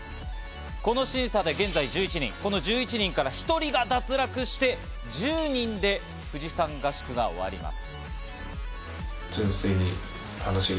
この審査で現在１１人、この１１人から１人が脱落して、１０人で富士山合宿が終わります。